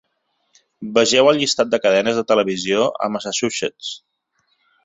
Vegeu el llistat de cadenes de televisió a Massachusetts.